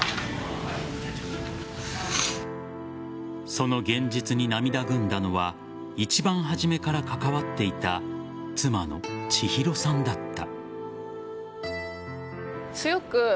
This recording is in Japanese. その現実に涙ぐんだのは一番初めから関わっていた妻の千浩さんだった。